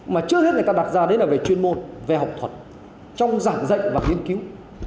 mà trước hết người ta đặt ra đấy là về chuyên môn về học thuật trong giảng dạy và nghiên cứu